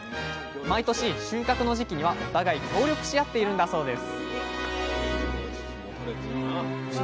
毎年収穫の時期にはお互い協力し合っているんだそうです